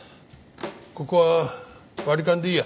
ここは割り勘でいいや。